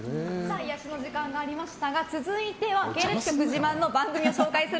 癒やしの時間がありましたが続いては系列の番組を紹介する